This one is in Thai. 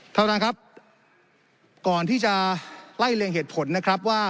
ท่านประธานครับก่อนที่จะไล่เลียงเหตุผลนะครับว่า